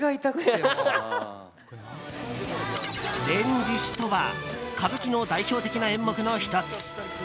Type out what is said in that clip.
「連獅子」とは歌舞伎の代表的な演目の１つ。